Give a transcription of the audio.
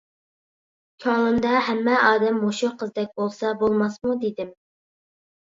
كۆڭلۈمدە ھەممە ئادەم مۇشۇ قىزدەك بولسا بولماسمۇ؟ دېدىم.